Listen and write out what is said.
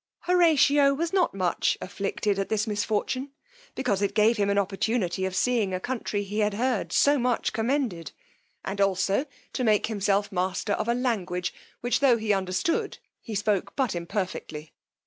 Horatio was not much afflicted at this misfortune, because it gave him an opportunity of seeing a country he had heard so much commended, and also to make himself master of a language, which, tho' he understood, he spoke but imperfectly.